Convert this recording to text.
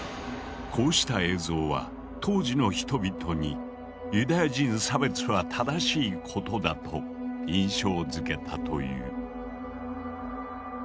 こうした映像は当時の人々にユダヤ人差別は正しいことだと印象づけたという。